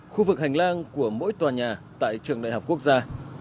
khu vực hành lang của mỗi tòa nhà tại trường đại học quốc gia